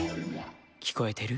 「きこえてる？